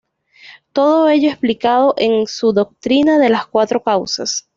Todo ello explicado en su doctrina de las cuatro causas.